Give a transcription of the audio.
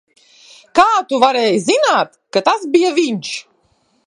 Kā tu varēji zināt, ka tas bija viņš?